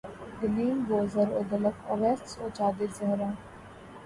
Gleam بو ذر و دلق اویس و چادر زہرا